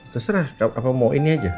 terserah mau ini aja